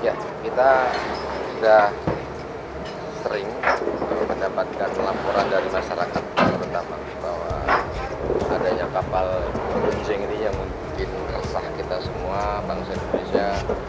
ya kita sudah sering mendapatkan laporan dari masyarakat terutama bahwa adanya kapal runcing ini yang mungkin resah kita semua bangsa indonesia